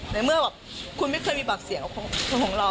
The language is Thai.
ในเมื่อแบบคุณไม่เคยมีปากเสียงของเรา